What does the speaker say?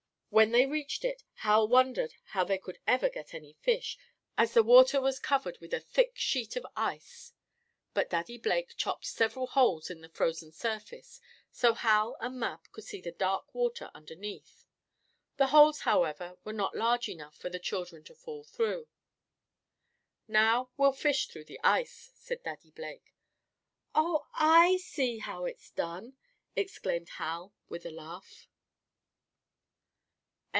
When they reached it, Hal wondered how they could ever get any fish, as the water was covered with a thick sheet of ice. But Daddy Blake chopped several holes in the frozen surface, so Hal and Mab could see the dark water underneath. The holes however, were not large enough for the children to fall through. "Now we'll fish through the ice!" said Daddy Blake. "Oh, I see how it's done!" exclaimed Hal with a laugh.